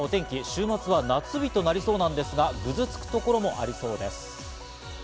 週末は夏日となりそうなんですが、ぐずつくところもありそうです。